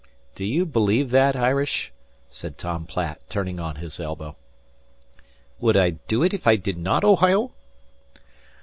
"D'you believe that, Irish?" said Tom Platt, turning on his elbow. "Would I do ut if I did not, Ohio?"